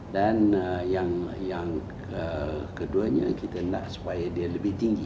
dan yang kedua kita ingin supaya dia lebih tinggi